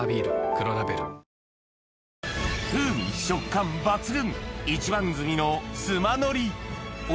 風味食感抜群！